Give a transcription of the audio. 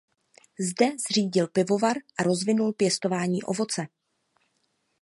Zde zřídil pivovar a rozvinul pěstování ovoce.